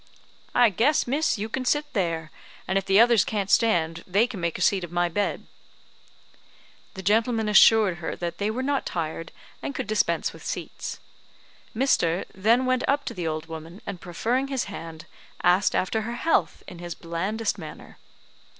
"I guess, miss, you can sit there; and if the others can't stand, they can make a seat of my bed." The gentlemen assured her that they were not tired, and could dispense with seats. Mr. then went up to the old woman, and proffering his hand, asked after her health in his blandest manner.